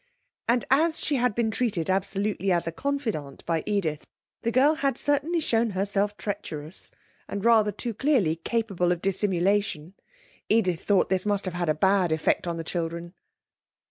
And as she had been treated absolutely as a confidante by Edith, the girl had certainly shown herself treacherous, and rather too clearly capable of dissimulation. Edith thought this must have a bad effect on the children.